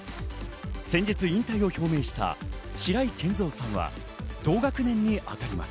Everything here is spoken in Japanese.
先日、引退を表明した白井健三さんは同学年に当たります。